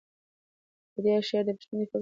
د ده شعر د پښتني فکر ښه استازیتوب کوي.